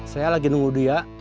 saya lagi nunggu dia